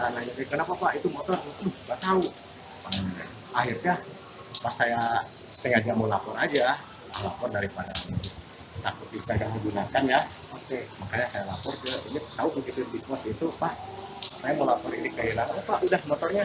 nanya kenapa pak itu motor nggak tahu akhirnya pas saya sehatnya mau lapor aja lapor daripada